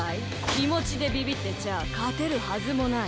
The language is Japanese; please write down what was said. きもちでビビってちゃあかてるはずもない。